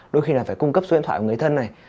đôi khi là phải cung cấp số điện thoại của người thân này